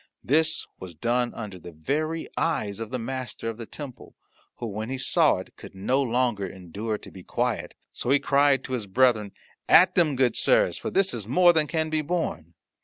This was done under the very eyes of the Master of the Temple, who, when he saw it, could no longer endure to be quiet. So he cried to his brethren, "At them, good sirs, for this is more than can be borne."